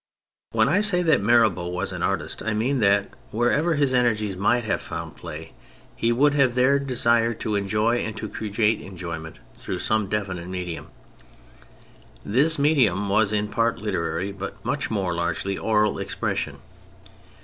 When I say that Mirabeau was an artist I mean that wherever his energies might have found play he would there have desired to enjoy and to create enjoyment through some definite medium. This medium was in part literary, but much more largely oral expres sion.